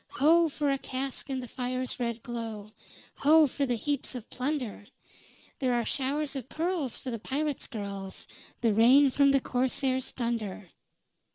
"Ho! for a cask in the fire's red glow; Ho! for the heaps of plunder. There are showers of pearls for the pirates' girls The rain from the corsair's thunder!"